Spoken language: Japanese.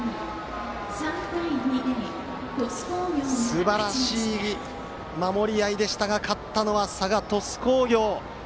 すばらしい守り合いでしたが勝ったのは佐賀・鳥栖工業。